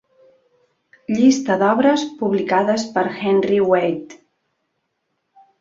Llista d'obres publicades per "Henry Wade".